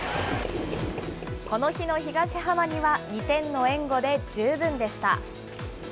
この日の東浜には２点の援護で十分でした。